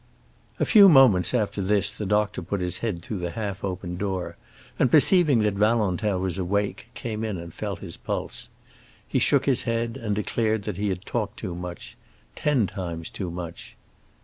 A few moments after this the doctor put his head through the half opened door and, perceiving that Valentin was awake, came in and felt his pulse. He shook his head and declared that he had talked too much—ten times too much.